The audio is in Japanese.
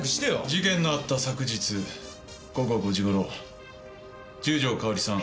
事件のあった昨日午後５時頃十条かおりさん